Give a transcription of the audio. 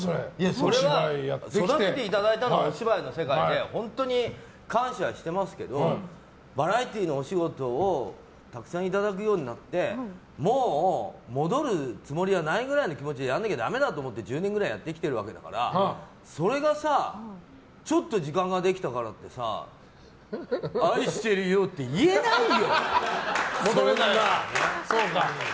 それは育てていただいたのはお芝居の世界で本当に感謝していますけどバラエティーのお仕事をたくさんいただくようになってもう戻るつもりはないくらいの気持ちでやらなきゃだめだと思って１０年ぐらいやってきているわけだからそれがさ、ちょっと時間ができたからってさ愛してるよって言えないよ。